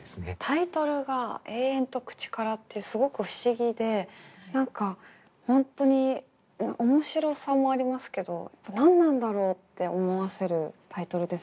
タイトルが「えーえんとくちから」ってすごく不思議で何か本当に面白さもありますけど何なんだろうって思わせるタイトルですよね。